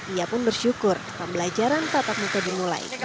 ia pun bersyukur pembelajaran tatap muka dimulai